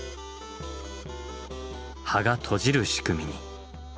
葉が閉じる仕組みに。